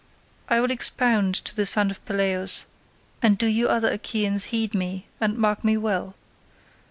I will expound to the son of Peleus, and do you other Achaeans heed me and mark me well.